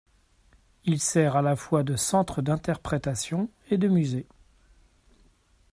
Il sert à la fois de centre d'interprétation et de musée.